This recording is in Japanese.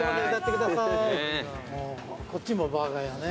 こっちもバーガー屋ね。